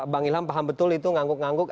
bang ilham paham betul itu ngangguk ngangguk